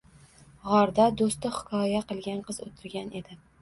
g‘orda do‘sti hikoya qilgan qiz o‘tirgan edi